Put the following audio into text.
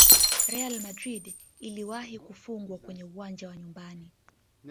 real madrid iliwahi kufungwa kwenye uwanja wa nyumbani